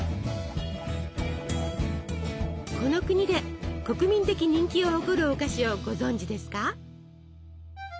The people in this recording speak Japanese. この国で国民的人気を誇るお菓子をご存じですか？